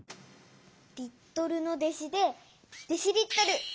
リットルの弟子でデシリットル。